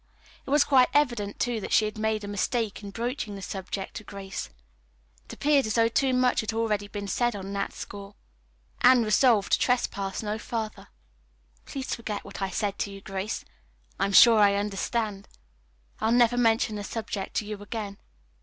It was quite evident, too, that she had made a mistake in broaching the subject to Grace. It appeared as though too much had already been said on that score. Anne resolved to trespass no further. "Please forget what I said, Grace. I'm sure I understand. I'll never mention the subject to you again."